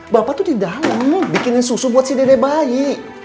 bapak tuh tidak mau bikinin susu buat si dede bayi